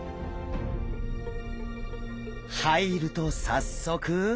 入ると早速。